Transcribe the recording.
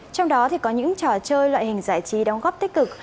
trong đó có những trò chơi loại hình giải trí đóng góp tích cực